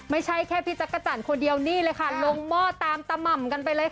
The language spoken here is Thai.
ไม่ใช่แค่พี่จักรจันทร์คนเดียวนี่เลยค่ะลงหม้อตามตะหม่ำกันไปเลยค่ะ